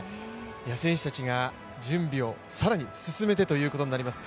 選手たちが準備を更に進めてということになります。